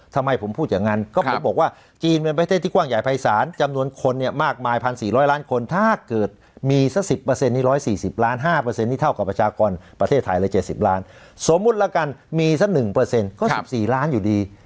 ทำไมผมพูดอย่างงั้นก็ผมบอกว่าจีนเป็นประเทศที่กว้างใหญ่ภายศาลจำนวนคนเนี้ยมากมายพันสี่ร้อยล้านคนถ้าเกิดมีซะสิบเปอร์เซ็นต์นี้ร้อยสี่สิบล้านห้าเปอร์เซ็นต์นี้เท่ากับประชากรประเทศไทยละเจสิบล้านสมมุติแล้วกันมีซะหนึ่งเปอร์เซ็นต์ก็สิบสี่ล้านอยู่ดี